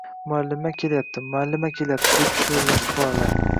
Muallima kelyapti, muallima kelyapti, – deb shivirlashdi bolalar.